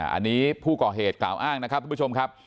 อันนี้ผู้ก่อเหตุกล่าวอ้างนะครับทุกผู้ชมครับ